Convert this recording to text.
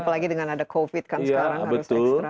apalagi dengan ada covid kan sekarang harus ekstra